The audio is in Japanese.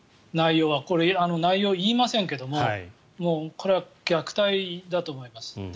内容は言いませんけれどもこれは虐待だと思います。